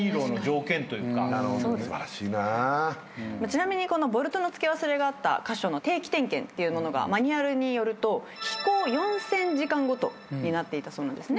ちなみにボルトのつけ忘れがあった箇所の定期点検っていうものがマニュアルによると飛行４，０００時間ごとになっていたそうなんですね。